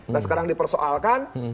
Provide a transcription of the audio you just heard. nah sekarang dipersoalkan